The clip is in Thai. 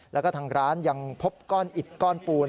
แล้วก็ทางร้านยังพบก้อนอิดก้อนปูน